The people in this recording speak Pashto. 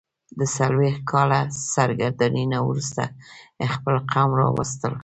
د څلوېښت کاله سرګرانۍ نه وروسته خپل قوم راوستل.